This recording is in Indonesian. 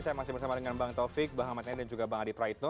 saya masih bersama dengan bang taufik bang amad yanni dan juga bang adip rayitno